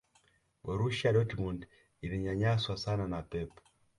borusia dortmund ilinyanyaswa sana na pep